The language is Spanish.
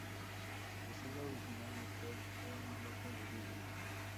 La celda original de Kerr fue un bloque de vidrio.